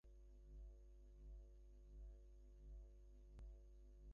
তবে কোনো বিশেষ অনুষ্ঠান থাকলে সেখানে ফিটফাট সাহেবি পোশাকই বেছে নেন।